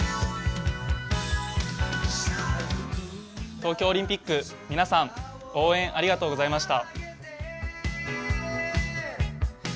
東京オリンピック、皆さん応援ありがとうございました。